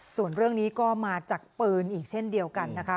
ส่วนเรื่องนี้ก็มาจากปืนอีกเช่นเดียวกันนะคะ